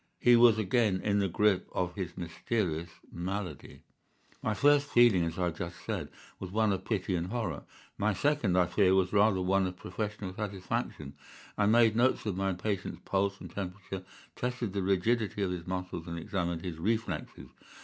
He was again in the grip of his mysterious malady. "My first feeling, as I have just said, was one of pity and horror. My second, I fear, was rather one of professional satisfaction. I made notes of my patient's pulse and temperature, tested the rigidity of his muscles, and examined his reflexes.